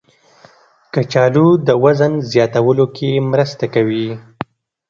کچالو د وزن زیاتولو کې مرسته کوي.